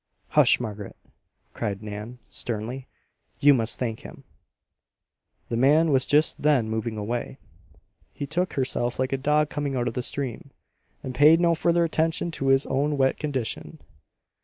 "Hush, Margaret!" cried Nan, sternly. "You must thank him." The man was just then moving away. He shook himself like a dog coming out of the stream, and paid no further attention to his own wet condition.